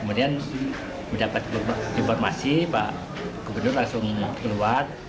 kemudian mendapat informasi pak gubernur langsung keluar